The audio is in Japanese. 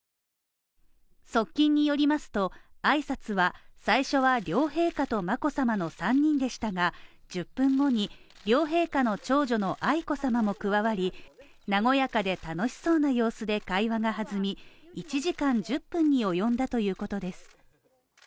側近によりますと、挨拶は最初は両陛下と眞子さまの３人でしたが、１０分後に両陛下の長女の愛子さまも加わり、和やかで楽しそうな様子で会話が弾み、１時間１０分に及んだということです。